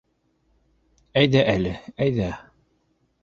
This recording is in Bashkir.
Әйҙә әле, әйҙә.